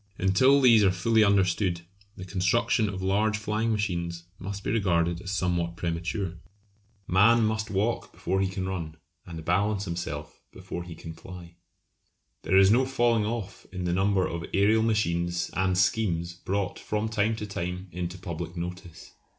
Until these are fully understood the construction of large flying machines must be regarded as somewhat premature. Man must walk before he can run, and balance himself before he can fly. There is no falling off in the number of aërial machines and schemes brought from time to time into public notice.